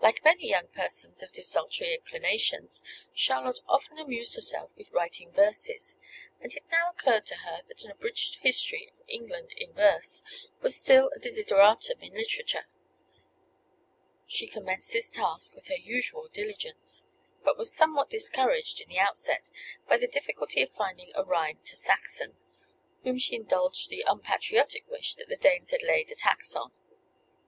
Like many young persons of desultory inclinations, Charlotte often amused herself with writing verses; and it now occurred to her that an abridged history of England in verse was still a desideratum in literature. She commenced this task with her usual diligence; but was somewhat discouraged in the outset by the difficulty of finding a rhyme to Saxon, whom she indulged the unpatriotic wish that the Danes had laid a tax on.